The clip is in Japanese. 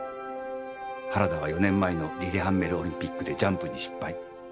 原田は４年前のリレハンメルオリンピックでジャンプに失敗。